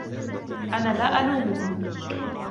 أنا لا ألومهم.